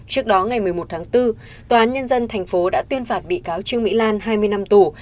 trước đó ngày một mươi một tháng bốn tòa án nhân dân tp đã tuyên phạt bị cáo trương mỹ lan hai mươi năm tù